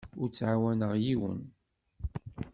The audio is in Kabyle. Ur ttɛawaneɣ yiwen.